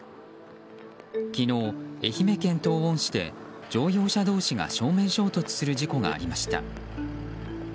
昨日、愛媛県東温市で乗用車同士が正面衝突する事故がありました。